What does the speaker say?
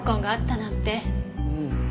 うん。